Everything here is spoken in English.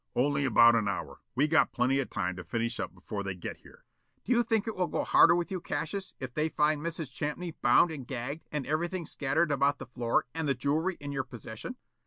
"Only about an hour. We got plenty of time to finish up before they get here." "Do you think it will go harder with you, Cassius, if they find Mrs. Champney bound and gagged and everything scattered about the floor, and the jewelry in your possession?"